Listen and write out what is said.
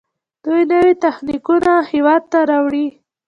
دوی نوي تخنیکونه هیواد ته راوړي.